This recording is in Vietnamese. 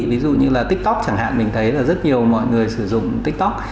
ví dụ như là tiktok chẳng hạn mình thấy là rất nhiều mọi người sử dụng tiktok